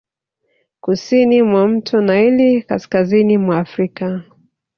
Kusini mwa mto Naili kaskazini mwa Afrika